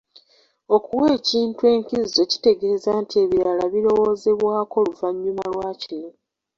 Okuwa ekintu enkizo kitegeeza nti ebiralala birowoozebwako luvannyuma lwa kino.